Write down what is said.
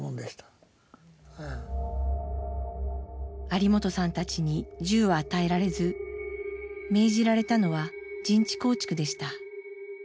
有元さんたちに銃は与えられず命じられたのは陣地構築でした。